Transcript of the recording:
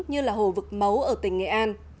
như là hồ vực máu ở tỉnh nghệ an